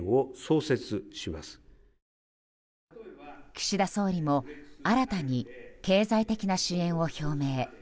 岸田総理も新たに経済的な支援を表明。